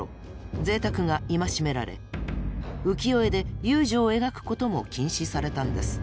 ぜいたくが戒められ浮世絵で遊女を描くことも禁止されたんです。